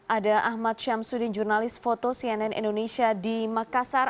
ada ahmad syamsuddin jurnalis foto cnn indonesia di makassar